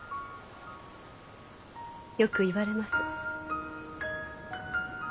よく言われます。